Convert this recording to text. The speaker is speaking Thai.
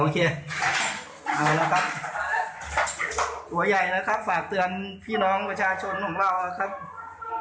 ตัวใหญ่นะครับถ้าสื่อพี่น้องประชาชนของเราครับ